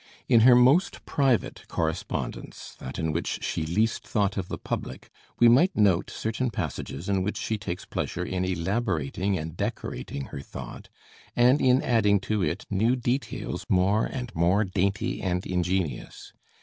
In her most private correspondence, that in which she least thought of the public, we might note certain passages in which she takes pleasure in elaborating and decorating her thought, and in adding to it new details more and more dainty and ingenious.